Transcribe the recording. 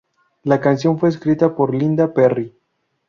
La canción fue escrita por Linda Perry.